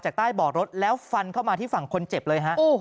ใต้บ่อรถแล้วฟันเข้ามาที่ฝั่งคนเจ็บเลยฮะ